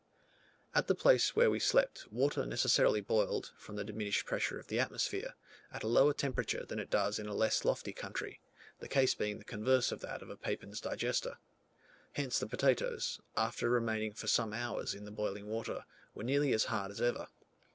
At the place where we slept water necessarily boiled, from the diminished pressure of the atmosphere, at a lower temperature than it does in a less lofty country; the case being the converse of that of a Papin's digester. Hence the potatoes, after remaining for some hours in the boiling water, were nearly as hard as ever.